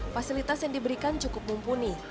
fasilitas yang diberikan cukup mumpuni